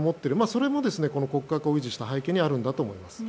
それも骨格を維持した背景にあるんだと思います。